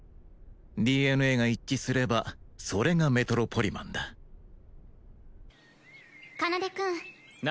ＤＮＡが一致すればそれがメトロポリマンだ奏君何？